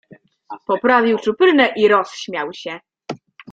"Poprawił czuprynę i rozśmiał się."